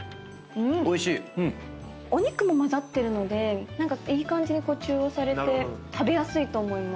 お肉もまざってるので何かいい感じに中和されて食べやすいと思います。